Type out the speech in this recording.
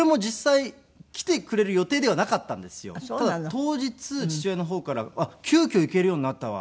当日父親の方から「急遽行けるようになったわ」